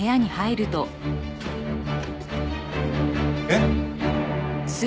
えっ？